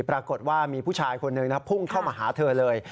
ปรากฏว่ามีผู้ชายคนหนึ่งพุ่งเข้ามาหาเธอเลย